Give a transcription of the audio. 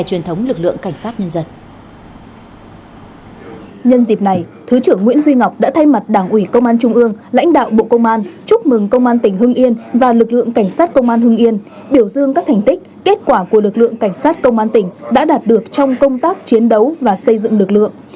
nhân dịp này thứ trưởng nguyễn duy ngọc đã thay mặt đảng ủy công an trung ương lãnh đạo bộ công an chúc mừng công an tỉnh hưng yên và lực lượng cảnh sát công an hưng yên biểu dương các thành tích kết quả của lực lượng cảnh sát công an tỉnh đã đạt được trong công tác chiến đấu và xây dựng lực lượng